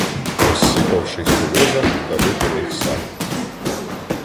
Розсипавшись у лозах, дали по них сальву.